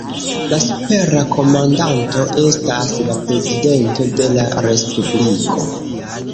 La supera komandanto estas la prezidento de la Respubliko.